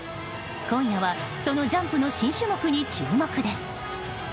今夜はそのジャンプの新種目に注目です。